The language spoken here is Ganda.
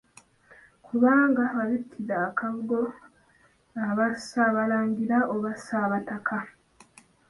Kubanga w'abikkira akabugo aba Ssaabalangira oba Ssaabataka.